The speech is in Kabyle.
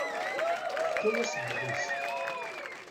Tefka-yas ddḥis.